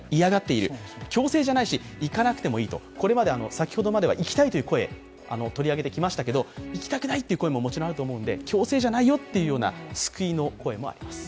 先ほどまでは行きたいという声を取り上げてきましたけど、行きたくないという声ももちろんあるんで、強制じゃないよという救いの声もあります。